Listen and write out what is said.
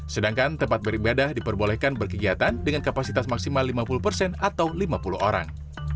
sedangkan tempat beribadah diperbolehkan berkegiatan dengan kapasitas maksimal lima puluh persen atau lima puluh orang